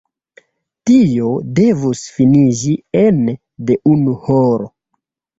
Tio devus finiĝi ene de unu horo.